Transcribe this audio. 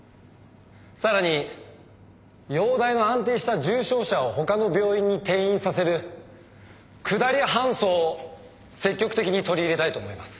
さらに容体の安定した重症者を他の病院に転院させる「くだり搬送」を積極的に取り入れたいと思います。